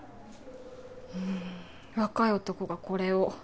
若い男がこれを。